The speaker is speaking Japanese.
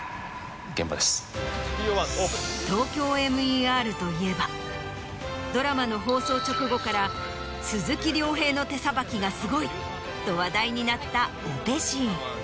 『ＴＯＫＹＯＭＥＲ』といえばドラマの放送直後から鈴木亮平の手さばきがすごいと話題になったオペシーン。